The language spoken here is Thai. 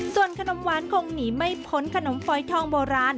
ส่วนขนมหวานคงหนีไม่พ้นขนมฟอยทองโบราณ